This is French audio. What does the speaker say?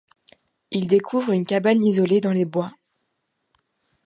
Ils découvrent une cabane isolée dans les bois.